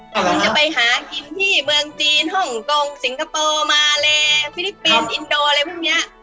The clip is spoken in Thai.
คุณจะไปหากินที่เมืองจีนฮ่องกงสิงคโปร์มาเลฟิลิปปินส์อินโดอะไรพวกนี้